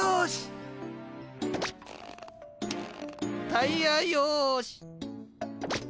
タイヤよし。